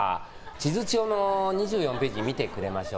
地図帳の２４ページ見てくれましょう。